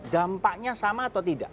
dampaknya sama atau tidak